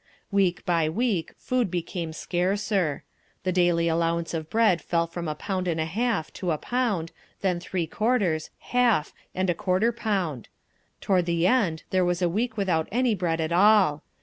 Week by week food became scarcer. The daily allowance of bread fell from a pound and a half to a pound, then three quarters, half, and a quarter pound. Toward the end there was a week without any bread at all.